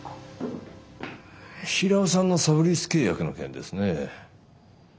平尾さんのサブリース契約の件ですね。